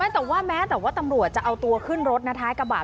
แต่ว่าแม้แต่ว่าตำรวจจะเอาตัวขึ้นรถท้ายกระบะ